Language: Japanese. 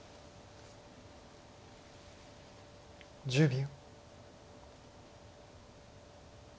１０秒。